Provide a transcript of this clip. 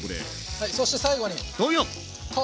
はいそして最後に！